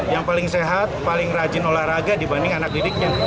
yang paling sehat paling rajin olahraga dibanding anak didiknya